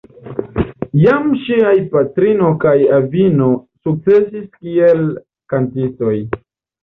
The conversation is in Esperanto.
Jam ŝiaj patrino kaj avino sukcesis kiel kantistoj.